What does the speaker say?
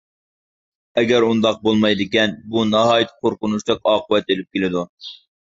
ئەگەر ئۇنداق بولمايدىكەن، بۇ ناھايىتى قورقۇنچلۇق ئاقىۋەت ئىلىپ كېلىدۇ.